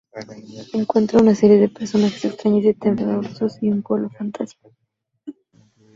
Encuentra una serie de personajes extraños y tenebrosos y un pueblo fantasma.